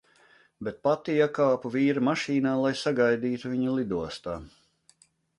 Bet pati iekāpu vīra mašīnā, lai "sagaidītu" viņu lidostā.